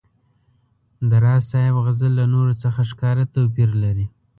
د راز صاحب غزل له نورو څخه ښکاره توپیر لري.